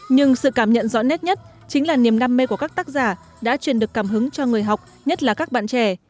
nhưng sự cảm nhận rõ nét nhất chính là niềm đam mê của các tác giả đã truyền được cảm hứng cho người học nhất là các bạn trẻ